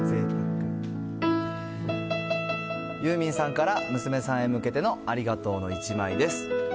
ゆーみんさんから娘さんへ向けてのありがとうの１枚です。